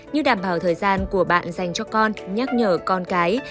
như đảm bảo thời gian của bạn dành cho con nhắc nhở con cái